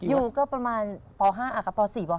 อยู่ก็ประมาณป๔ป๕